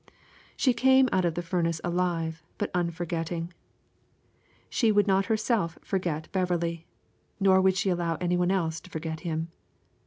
She came out of the furnace alive but unforgetting. She would not herself forget Beverley, nor would she allow anybody else to forget him.